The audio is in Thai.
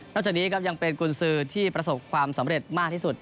จากนี้ครับยังเป็นกุญสือที่ประสบความสำเร็จมากที่สุด